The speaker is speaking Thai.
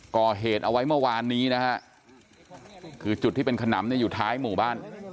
ก่อเหตุเอาไว้เมื่อวานนี้นะฮะคือจุดที่เป็นขนำเนี่ยอยู่ท้ายหมู่บ้าน